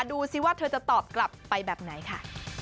ดูสิว่าเธอจะตอบกลับไปแบบไหนค่ะ